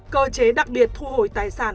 cơ chế đặc biệt thu hồi tài sản